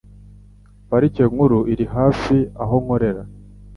Parike Nkuru iri hafi aho nkorera